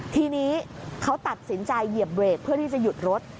ทีนี้เขาตัดสินใจเหยียบเบรกเพื่อที่จะหยุดรถ